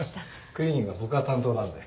クリーニングは僕が担当なんで。